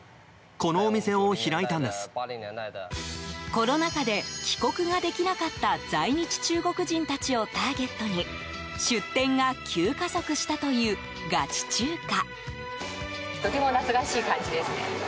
コロナ禍で帰国ができなかった在日中国人たちをターゲットに出店が急加速したというガチ中華。